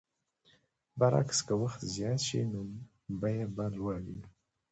برعکس که وخت زیات شي نو بیه به لوړه وي.